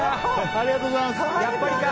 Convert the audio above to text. ありがとうございます！